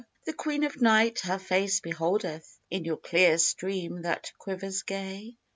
The Queen of Night her face beholdeth In yon clear stream, that quivers gay.